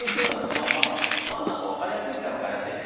まあまあまあ何か分かりやすいっちゃ分かりやすいね。